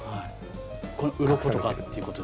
うろことかっていうことですか？